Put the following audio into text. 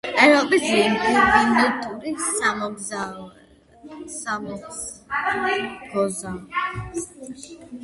ევროპის ლინგვისტური საზოგადოების წევრი.